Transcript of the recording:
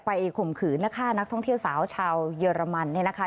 ข่มขืนและฆ่านักท่องเที่ยวสาวชาวเยอรมันเนี่ยนะคะ